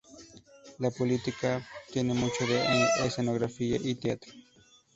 La política tiene mucho de escenografía y teatro